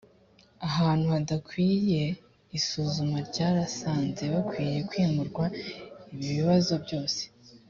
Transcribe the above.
ahantu hadakwiye isuzuma ryarasanze bukwiye kwimurwa ibi bibazo byose